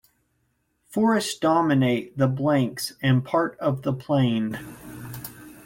Forests dominate the banks and parts of the plain.